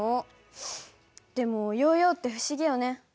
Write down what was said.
でもヨーヨーって不思議よね。